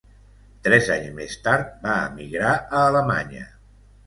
Tres anys més tard, va emigrar a Alemanya.